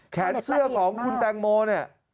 เสื้อของคุณแตงโมเนี่ย